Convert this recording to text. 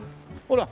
ほら。